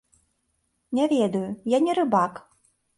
Не ведаю, я не рыбак.